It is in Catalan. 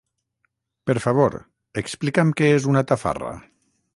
Per favor, explica'm què és una tafarra.